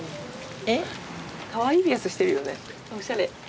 かわいいピアスしてるよねおしゃれ。